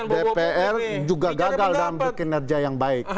dpr juga gagal dalam berkinerja yang baik